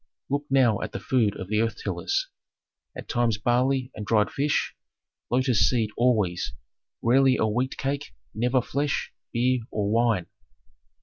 "Look now at the food of the earth tillers. At times barley and dried fish, lotus seed always, rarely a wheat cake, never flesh, beer, or wine.